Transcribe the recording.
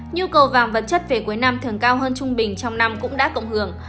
nhu cầu vàng vật chất về cuối năm thường cao hơn trung bình trong năm cũng đã cộng hưởng